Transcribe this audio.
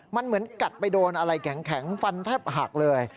มันเหมือนกัดไปโดนอะไรแข็งฟันแทบหักเลย